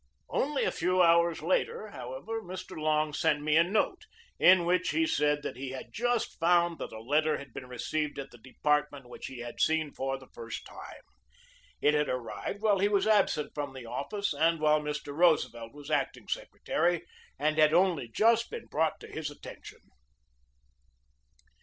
Only a few hours later, however, Mr. Long sent me a note in which he said that he had just found that a letter had been received at the department which he had seen for the first time. It had arrived while he was absent from the office and while Mr. Roosevelt was acting secretary, and had only just been brought to his attention.